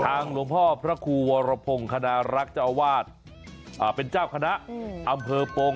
หลวงพ่อพระครูวรพงศ์คณรักษ์เจ้าวาดเป็นเจ้าคณะอำเภอปง